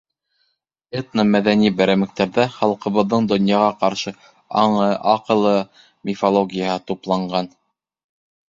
Этно-мәҙәни берәмектәрҙә халҡыбыҙҙың донъяға ҡарашы, аңы, аҡылы, мифологияһы тупланған.